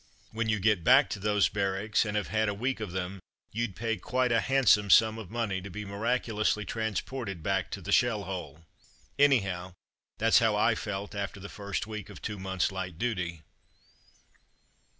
When you get back to those barracks, and have had a week of them, you'd pay quite a handsome sum of money to be miraculously tran sported back to the shell hole. Anyhow, that's how I felt after the first week of two months' light duty.